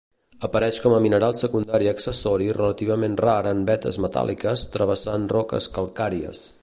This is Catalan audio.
Apareix com a mineral secundari accessori relativament rar en vetes metàl·liques travessant roques calcàries.